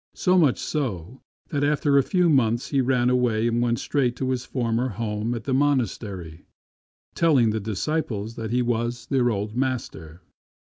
So much so, that after a few months he ran away and went straight to his former home at the monastery, telling the disciples that he was their old master.